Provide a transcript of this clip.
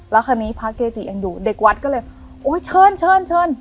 แล้วคราวนี้พระเกติยังอยู่เด็กวัดก็เลยโอ้ยเชิญเชิญเชิญ